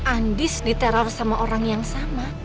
andis diteror sama orang yang sama